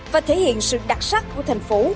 và thể hiện sự đặc sắc của thành phố